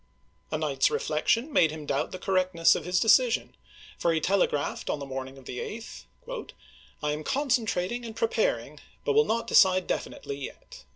A night's reflection made him doubt the correct ness of his decision, for he telegraphed on the morning of the 8th: "I am concentrating and preparing, but will not decide definitely yet."